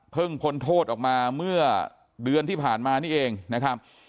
พ้นโทษออกมาเมื่อเดือนที่ผ่านมานี่เองนะครับ